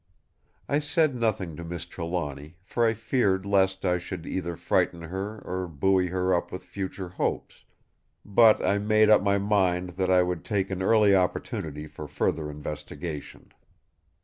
I said nothing to Miss Trelawny, for I feared lest I should either frighten her or buoy her up with future hopes; but I made up my mind that I would take an early opportunity for further investigation.